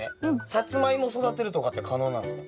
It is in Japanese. サツマイモ育てるとかって可能なんですか？